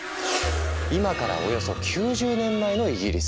今からおよそ９０年前のイギリス。